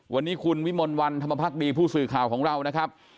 วันนี้คุณวิมลวันธรรมพักดีผู้สื่อข่าวของเรานะครับ